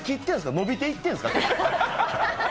伸びていってるんですか？